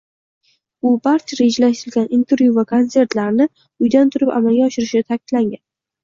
U barcha rejalashtirilgan intervyu va konsertlarni uydan turib amalga oshirishini ta’kidlagan